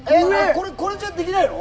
これじゃあできないの？